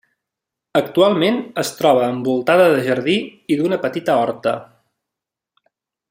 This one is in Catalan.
Actualment es troba envoltada de jardí i d'una petita horta.